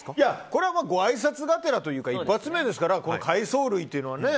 これはごあいさつがてらというか一発目ですから海藻類というのはね。